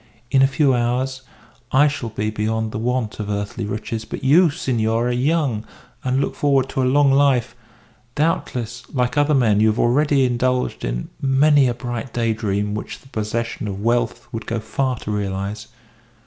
In a few hours I shall be beyond the want of earthly riches, but you, senor, are young, and look forward to a long life; doubtless, like other men, you have already indulged in many a bright day dream which the possession of wealth would go far to realise.